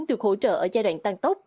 được hỗ trợ ở giai đoạn tăng tốc